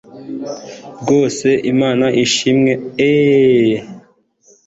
rwose imana ishimwe eeee